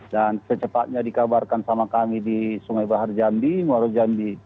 dan secepatnya dikabarkan sama kami di sumai bahar jambi mwaro jambi